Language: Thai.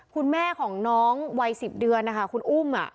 คุณแม่ของน้องวัย๑๐เดือนนะคะคุณอุ้ม